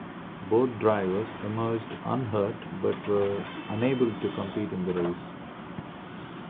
Both drivers emerged unhurt but were unable to compete in the race.